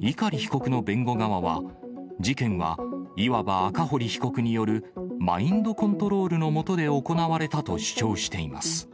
碇被告の弁護側は、事件は、いわば赤堀被告によるマインドコントロールの下で行われたと主張しています。